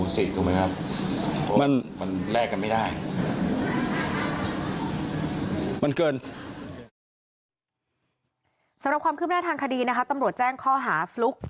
สำหรับความคุ้มหน้าทางคดีตำรวจแจ้งข้อหาฟลุ๊ก